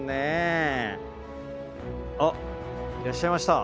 あっいらっしゃいました。